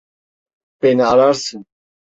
Beni ararsın.